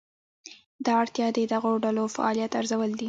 دا اړتیا د دغو ډلو فعالیت ارزول دي.